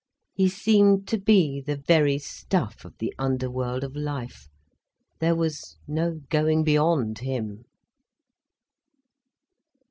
He seemed to be the very stuff of the underworld of life. There was no going beyond him.